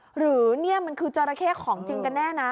หรือนี่มันคือจราเข้ของจริงกันแน่นะ